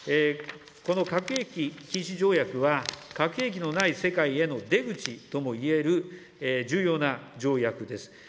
この核兵器禁止条約は、核兵器のない世界への出口ともいえる重要な条約です。